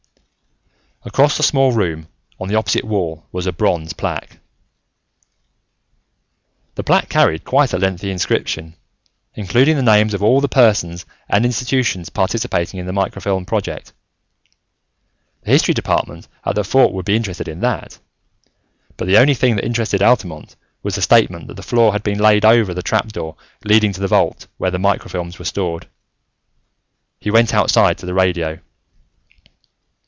Across the small room, on the opposite wall, was a bronze plaque. The plaque carried quite a lengthy inscription, including the names of all the persons and institutions participating in the microfilm project. The History Department at the Fort would be interested in that, but the only thing that interested Altamont was the statement that the floor had been laid over the trapdoor leading to the vault where the microfilms were stored. He went outside to the radio.